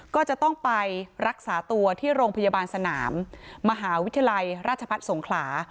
ก็จะต้องไปรักษาตัวที่โรงพยาบาลสนามมหาวิทยาลัยราชพัฒน์สงขลา